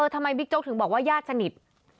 เออทำไมบิ๊กโจ๊กถึงบอกว่าญาติสนิท